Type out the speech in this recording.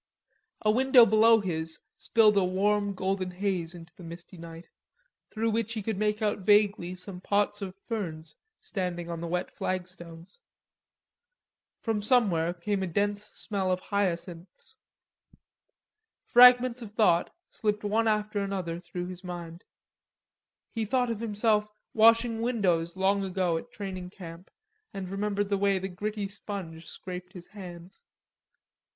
A window below his spilled a warm golden haze into the misty night, through which he could make out vaguely some pots of ferns standing on the wet flagstones. From somewhere came a dense smell of hyacinths. Fragments of thought slipped one after another through his mind. He thought of himself washing windows long ago at training camp, and remembered the way the gritty sponge scraped his hands.